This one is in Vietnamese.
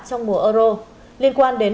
trong mùa euro liên quan đến